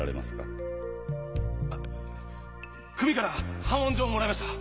あっ組から破門状をもらいました！